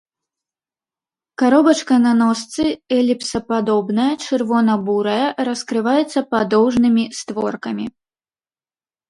Каробачка на ножцы, эліпсападобная, чырвона-бурая, раскрываецца падоўжнымі створкамі.